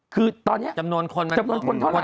คือตอนนี้จำนวนคนเท่าไห